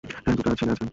হ্যাঁ, দুইটা ছেলে আছে।